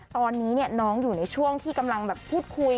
ตอนนี้น้องอยู่ในช่วงที่กำลังแบบพูดคุย